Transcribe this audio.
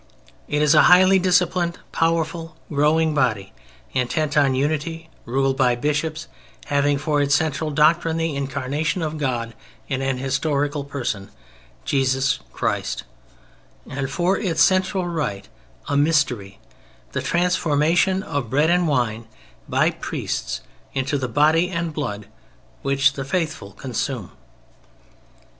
It is a highly disciplined, powerful growing body, intent on unity, ruled by bishops, having for its central doctrine the Incarnation of God in an historical Person, Jesus Christ, and for its central rite a Mystery, the transformation of Bread and Wine by priests into the Body and Blood which the faithful consume.